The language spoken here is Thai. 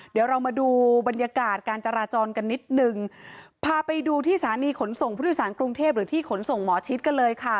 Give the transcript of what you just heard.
เดี๋ยวเรามาดูบรรยากาศการจราจรกันนิดนึงพาไปดูที่สถานีขนส่งผู้โดยสารกรุงเทพหรือที่ขนส่งหมอชิดกันเลยค่ะ